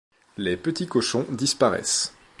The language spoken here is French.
Les Petits Cochons disparaissent.